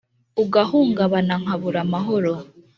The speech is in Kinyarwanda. ugahungabana nkabura amahoro.